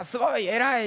「偉い！」